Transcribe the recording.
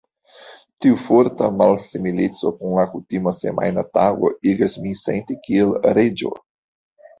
Tiu forta malsamileco kun la kutima semajna tago igas min senti kiel reĝo.